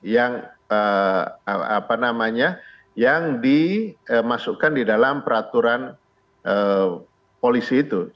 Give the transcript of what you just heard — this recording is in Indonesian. yang apa namanya yang dimasukkan di dalam peraturan polisi itu